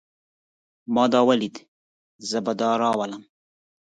ما دا وليده. زه به دا راولم.